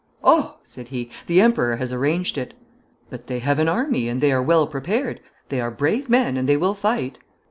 'Oh!' said he, 'the Emperor has arranged it.' 'But they have an army, and they are well prepared. They are brave men and they will fight.'